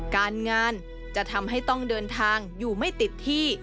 การงานจะทำให้ต้องเดินทางอยู่ไม่ติดที่